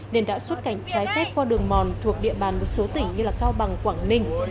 nên đã xuất cảnh trái phép qua đường mòn thuộc địa bàn một số tỉnh như cao bằng quảng ninh